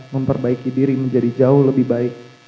memperbaiki diri menjadi jauh lebih baik